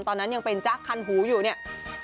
ตอนนั้นยังเป็นจ๊ะคันหูอยู่เนี่ย